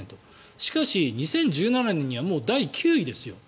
しかし、２０１７年にはもう第９位ですよ。